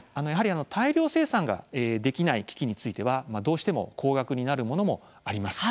大量生産ができない機器については、どうしても高額になるものもあります。